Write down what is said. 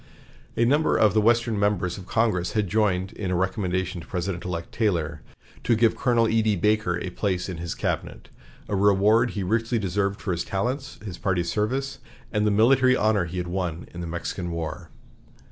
A number of the Western members of Congress had joined in a recommendation to President elect Taylor to give Colonel E.D. Baker a place in his cabinet, a reward he richly deserved for his talents, his party service, and the military honor he had won in the Mexican War.